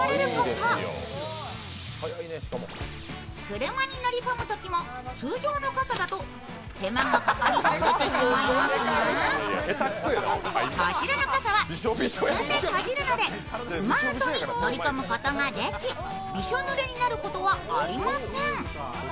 車に乗り込むときも通常の傘だと手間がかかり濡れてしまいますがこちらの傘は一瞬で閉じるのでスマートに乗り込むことができびしょ濡れになることはありません。